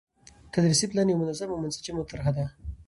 تدريسي پلان يو منظم او منسجمه طرحه ده،